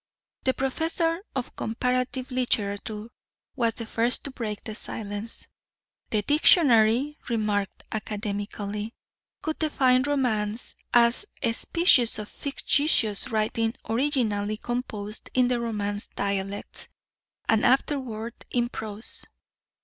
The professor of Comparative Literature was the first to break the silence. "The dictionary," he remarked academically, "would define romance as a species of fictitious writing originally composed in the Romance dialects, and afterward in prose.